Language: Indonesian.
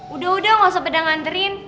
udah udah gak usah pedang nganterin